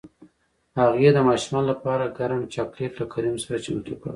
هغې د ماشومانو لپاره ګرم چاکلیټ له کریم سره چمتو کړل